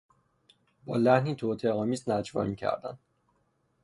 با لحنی توطئهآمیز نجوا میکردند.